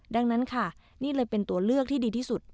ดังนั้นค่ะนี่เลยเป็นตัวเลือกที่ดีที่สุด